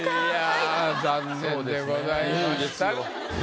いや残念でございました。